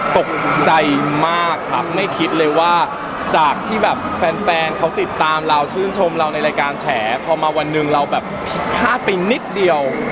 ตกใจมากครับไม่คิดเลยว่าจากที่แบบแฟนเขาติดตามเราชื่นชมเราในรายการแฉพอมาวันหนึ่งเราแบบพลาดไปนิดเดียว